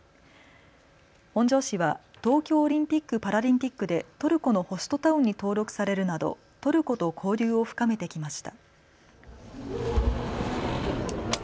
本庄市は東京オリンピック・パラリンピックでトルコのホストタウンに登録されるなどトルコと交流を深めてきました。